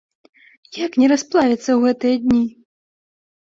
Як не расплавіцца ў гэтыя дні?